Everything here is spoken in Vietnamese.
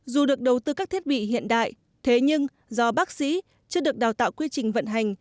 dù được đầu tư các thiết bị hiện đại thế nhưng do bác sĩ chưa được đào tạo quy trình vận hành